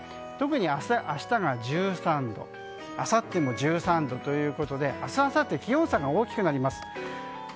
特に明日が１３度あさっても１３度ということで明日あさって気温差が大きくなります。